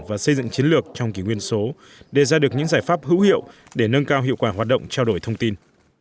và xây dựng chiến lược trong kỷ nguyên số đề ra được những giải pháp hữu hiệu để nâng cao hiệu quả hoạt động trao đổi thông tin